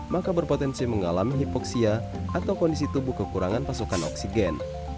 maka berpotensi mengalami hipoksia atau kondisi tubuh kekurangan pasokan oksigen